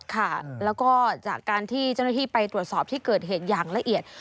ค่ะแล้วก็จากการที่เจ้าหน้าที่ไปตรวจสอบที่เกิดเหตุอย่างละเอียด